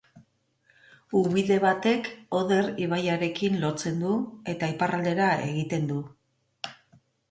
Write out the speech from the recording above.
Ubide batek Oder ibaiarekin lotzen du eta iparraldera egiten du.